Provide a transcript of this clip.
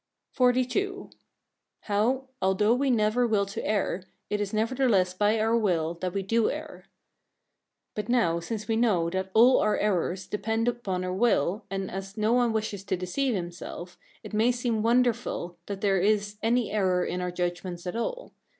XLII. How, although we never will to err, it is nevertheless by our will that we do err. But now since we know that all our errors depend upon our will, and as no one wishes to deceive himself, it may seem wonderful that there is any error in our judgments at all.